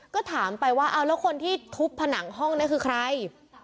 ก็ถามไปว่าเอาแล้วคนที่ทุบผนังห้องนี้คือใคร